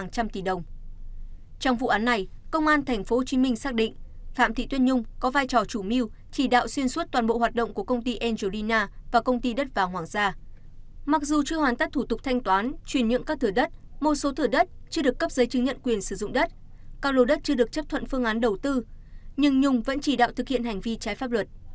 các lô đất chưa được chấp thuận phương án đầu tư nhưng nhung vẫn chỉ đạo thực hiện hành vi trái pháp luật